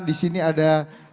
di sini ada